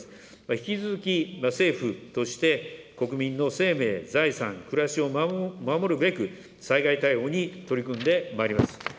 引き続き政府として、国民の生命、財産、暮らしを守るべく、災害対応に取り組んでまいります。